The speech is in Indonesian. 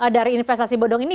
dari investasi bodong ini